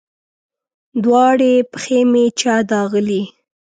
دواړې پښې مې چا داغلي